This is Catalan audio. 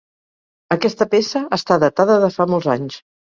Aquesta peça està datada de fa molts anys.